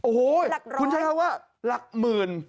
หลักร้อยคุณใช้เขาว่าหลักหมื่น